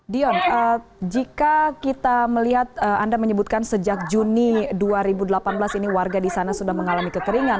dion jika kita melihat anda menyebutkan sejak juni dua ribu delapan belas ini warga di sana sudah mengalami kekeringan